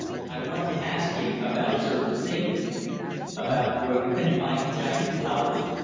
"I want to ask him about certain things." "About where you can find giant flowers?"